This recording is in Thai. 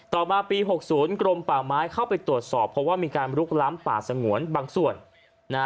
ต่อมาปี๖๐กรมป่าไม้เข้าไปตรวจสอบเพราะว่ามีการลุกล้ำป่าสงวนบางส่วนนะฮะ